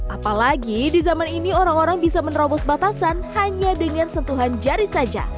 apalagi di zaman ini orang orang bisa menerobos batasan hanya dengan sentuhan jari saja